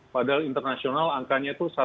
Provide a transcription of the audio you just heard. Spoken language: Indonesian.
padahal internasional angkanya itu satu